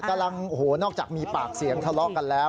กำลังโอ้โหนอกจากมีปากเสียงทะเลาะกันแล้ว